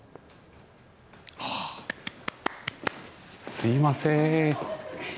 すいません。